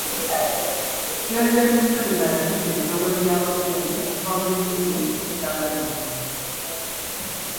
Pulezidenti Museveni alagidde ebitongole bya gavumenti okuva mu bizimbe ne ttaka lino.